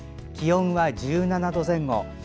気温は１７度前後。